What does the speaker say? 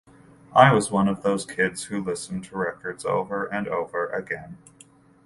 I was one of those kids who listened to records over and over again.